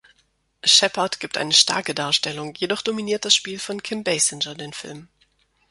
Shepard gibt eine starke Darstellung, jedoch dominiert das Spiel von Kim Basinger den Film.